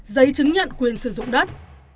giấy chứng nhận quyền sử dụng đất